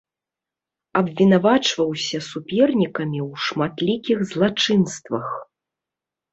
Абвінавачваўся супернікамі ў шматлікіх злачынствах.